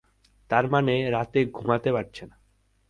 তার মানে রাতে ঘুমাতে পারছে না।